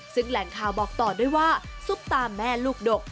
ซึ่งแหล่งข่าวบอกต่อด้วยว่าซุปตาแม่ลูกดก